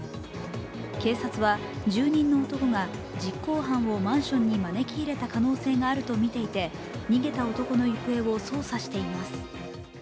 警察は、住人の男が実行犯をマンションに招き入れた可能性があるとみていて逃げた男の行方を捜査しています。